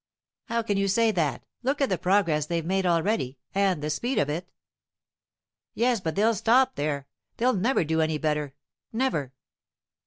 "How can you say that? Look at the progress they've made already, and the speed of it." "Yes, but they'll stop there. They'll never do any better, never."